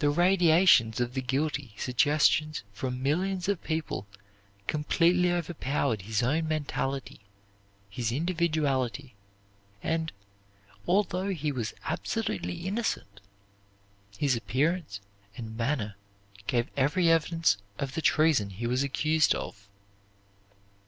The radiations of the guilty suggestion from millions of people completely over powered his own mentality, his individuality, and, although he was absolutely innocent, his appearance and manner gave every evidence of the treason he was accused of.